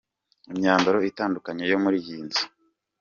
Imyambaro itandukanye yo muri iyi nzu.